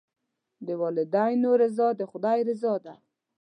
د والدینو رضا د خدای رضا ده.